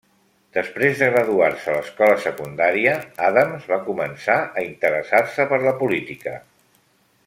Després de graduar-se a l'escola secundària, Adams va començar a interessar-se per la política.